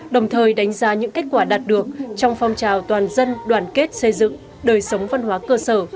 đồng thời đánh giá những kết quả đạt được trong phong trào toàn dân đoàn kết xây dựng đời sống văn hóa cơ sở